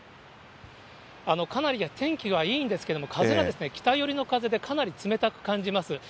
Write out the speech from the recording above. かなり天気はいいんですけれども、風がですね、北寄りの風で、かなり冷たく感じます。